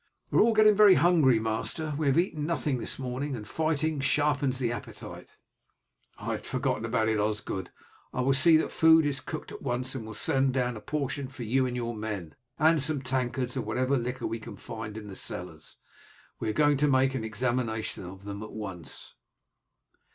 "We are all getting very hungry, master. We have eaten nothing this morning, and fighting sharpens the appetite." "I had forgotten all about it, Osgod. I will see that food is cooked at once, and will send down a portion for you and your men, and some tankards of whatever liquor we can find in the cellars. We are going to make an examination of them at once."